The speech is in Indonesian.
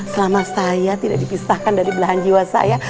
selama saya tidak dipisahkan dari belahan jiwa saya